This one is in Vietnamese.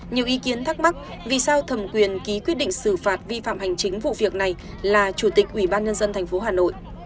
nhiều ý kiến thắc mắc vì sao thẩm quyền ký quyết định xử phạt vi phạm hành chính vụ việc này là chủ tịch ubnd tp hà nội